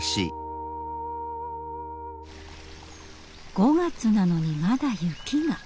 ５月なのにまだ雪が！